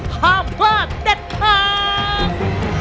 ห้ามพลาดเด็ดขาด